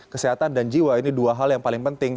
kesehatan dan jiwa ini dua hal yang paling penting